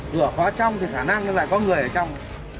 cửa khóa trong thì khả năng là có người ở trong